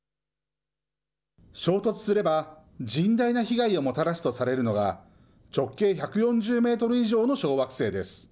衝突すれば甚大な被害をもたらすとされるのが、直径１４０メートル以上の小惑星です。